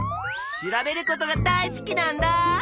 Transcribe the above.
調べることが大好きなんだ！